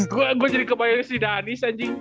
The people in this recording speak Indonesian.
gue jadi kebayangin si danis anjing